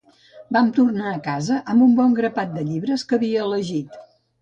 Vam tornar a casa amb un bon grapat de llibres que havia elegit.